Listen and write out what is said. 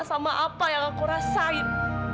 sama apa yang aku rasain